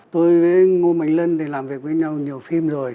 tôi với ngô mạnh lân thì làm việc với nhau nhiều phim rồi